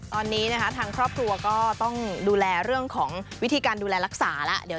ตอนนี้นะคะทางครอบครัวก็ต้องดูแลเรื่องของวิธีการดูแลรักษาแล้ว